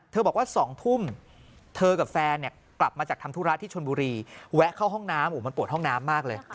บอกว่า๒ทุ่มเธอกับแฟนเนี่ยกลับมาจากทำธุระที่ชนบุรีแวะเข้าห้องน้ำมันปวดห้องน้ำมากเลย